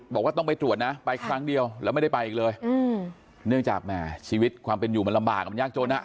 บอกว่าต้องไปตรวจนะไปครั้งเดียวแล้วไม่ได้ไปอีกเลยเนื่องจากแหมชีวิตความเป็นอยู่มันลำบากอ่ะมันยากจนอ่ะ